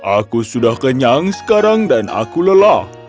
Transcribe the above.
aku sudah kenyang sekarang dan aku lelah